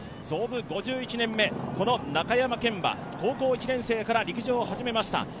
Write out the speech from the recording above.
創部５１年目、この中山顕は高校１年生から陸上を始めました。